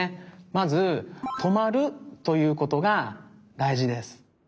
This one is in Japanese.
まず「とまる」ということがだいじです。